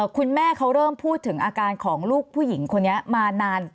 คุณแม่เขาเริ่มพูดถึงอาการของลูกผู้หญิงคนนี้มานาน